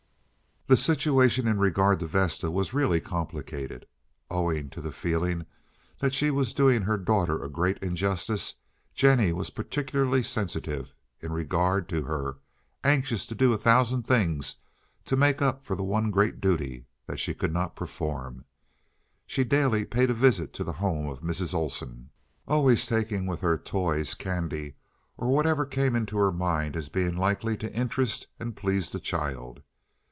The situation in regard to Vesta was really complicated. Owing to the feeling that she was doing her daughter a great injustice, Jennie was particularly sensitive in regard to her, anxious to do a thousand things to make up for the one great duty that she could not perform. She daily paid a visit to the home of Mrs. Olsen, always taking with her toys, candy, or whatever came into her mind as being likely to interest and please the child.